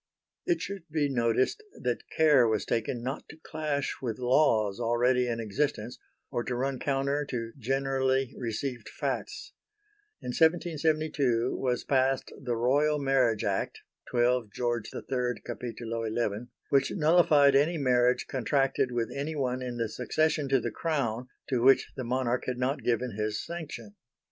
It should be noticed that care was taken not to clash with laws already in existence or to run counter to generally received facts. In 1772 was passed the Royal Marriage Act (12 George III Cap. 11) which nullified any marriage contracted with anyone in the succession to the Crown to which the Monarch had not given his sanction.